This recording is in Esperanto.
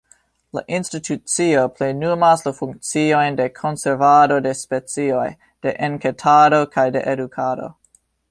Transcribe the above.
La institucio plenumas la funkciojn de konservado de specioj, de enketado kaj de edukado.